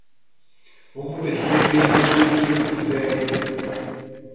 We moeten hiermee dus voorzichtig zijn.